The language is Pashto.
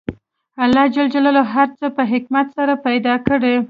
الله ج هر څه په حکمت سره پیدا کړي